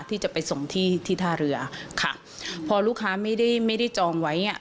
ที่จะไปส่งที่ที่ท่าเรือค่ะพอลูกค้าไม่ได้ไม่ได้จองไว้อ่ะ